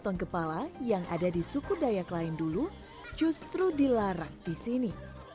tong kepala yang ada di suku dayak lain dulu justru dilarang di sini